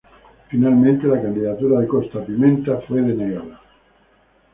Finalmente, la candidatura de Costa Pimenta fue denegada.